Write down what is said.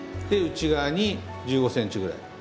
で内側に１５センチぐらい。